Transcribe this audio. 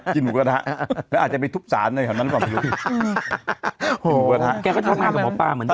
กินหมูกระทะแล้วอาจจะไปทุบศาสตร์หน่อยขนมันกว่าไม่รู้โหแกก็ทำงานกับหมอปลาเหมือนเดิม